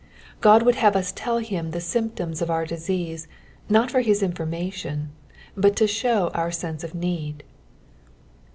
Ood would have us tell him the sjmptDins of our disease, not for his infonna lion, but to show our sense of need.